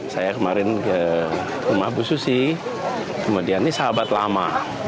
saya kemarin ke rumah bu susi kemudian ini sahabat lama